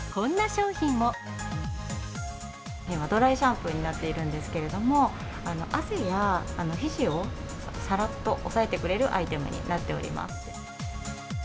ドライシャンプーになっているんですけれども、汗や皮脂をさらっと抑えてくれるアイテムになっております。